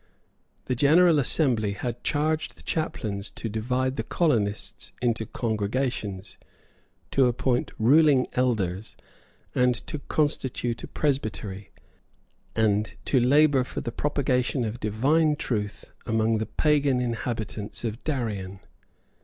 The General Assembly had charged the chaplains to divide the colonists into congregations, to appoint ruling elders, to constitute a presbytery, and to labour for the propagation of divine truth among the Pagan inhabitants of Darien.